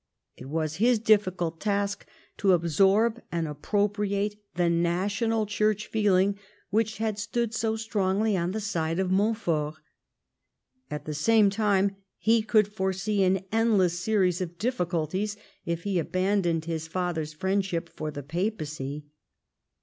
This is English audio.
It was his difficult task to absorb and appropriate the national Church feeling which had stood so strongly on the side of Montfort. At the same time he could foresee an endless series of difficulties if he abandoned his father's friendship for the papacy.